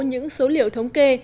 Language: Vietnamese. những số liệu thống kê